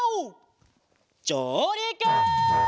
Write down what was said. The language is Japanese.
じょうりく！